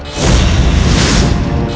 sebenarnya siapa mereka